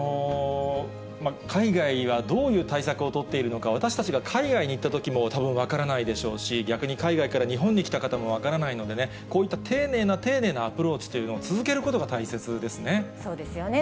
海外はどういう対策を取っているのか、私たちが海外に行ったときもたぶん分からないでしょうし、逆に海外から日本に来た方も分からないのでね、こういった丁寧な丁寧なアプローチというのを続けることが大切ですね。